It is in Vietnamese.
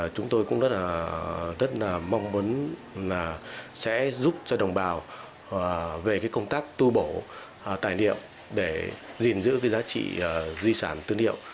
chúng tôi cũng rất mong muốn giúp cho đồng bào về công tác tu bổ tài liệu để giữ giá trị di sản tư liệu